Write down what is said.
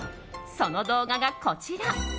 その動画が、こちら。